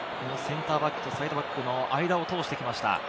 センターバックとサイドバックの間を通してきました。